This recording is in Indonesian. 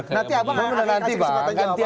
nanti abang akan kasih kesempatan jawab